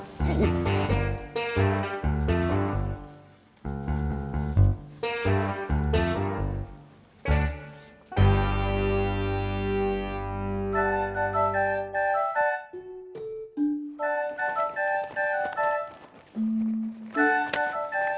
segini kayak seronot ya